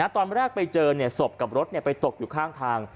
ตอนแรกไปเจอศพกับรถไปตกอยู่ข้างทาง